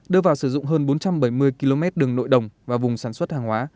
đưa vào sử dụng hơn bốn trăm bảy mươi km đường nội đồng và vùng sản xuất hàng hóa